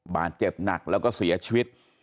บาดเจ็บหนักแล้วก็เสียชีวิต